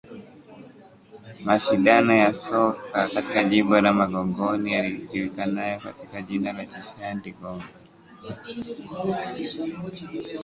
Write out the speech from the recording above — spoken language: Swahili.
Mashindano ya soka katika Jimbo la Magogoni yajulikanayo kwa jina la Jihadi Cup